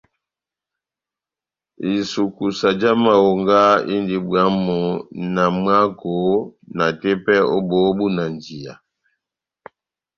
Isukusa já mahonga indi bwamu na mwako na tepɛ ó bóhó búnanjiya.